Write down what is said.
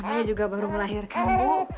namanya juga baru melahirkan bu